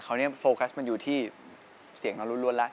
เขาเนี่ยโฟกัสมันอยู่ที่เสียงร้อนแล้ว